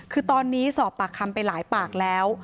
คือตอนนี้สอบปากคำไปหลายปากแล้ว